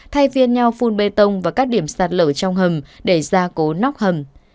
thay viên nhau phun bê tông và các điểm sạt lở trong hầm để ra cố nóc hầm